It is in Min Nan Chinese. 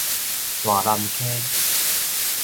大湳坑